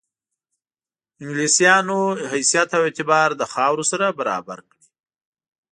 انګلیسیانو حیثیت او اعتبار له خاورو سره برابر کړي.